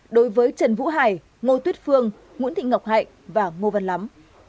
đối với trần vũ hải ngô tuyết phương nguyễn thị ngọc hạnh và ngô văn lắm